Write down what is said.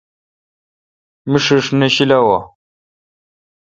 مہ ݭݭ نہ شیلوں۔